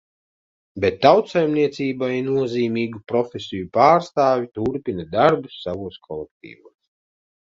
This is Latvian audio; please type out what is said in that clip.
Bet "tautsaimniecībai nozīmīgu" profesiju pārstāvji turpina darbu savos kolektīvos.